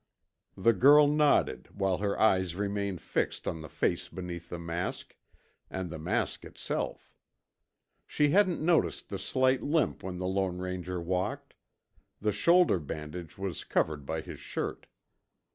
The girl nodded while her eyes remained fixed on the face beneath the mask, and the mask itself. She hadn't noticed the slight limp when the Lone Ranger walked; the shoulder bandage was covered by his shirt.